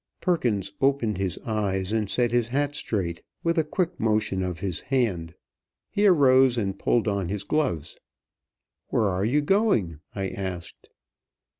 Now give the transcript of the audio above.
Perkins opened his eyes and set his hat straight with a quick motion of his hand. He arose and polled on his gloves. "Where are you going?" I asked.